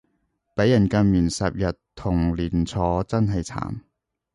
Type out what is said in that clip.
畀人禁言十日同連坐真係慘